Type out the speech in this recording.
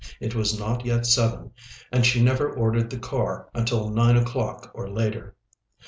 It was not yet seven, and she never ordered the car until nine o'clock or later.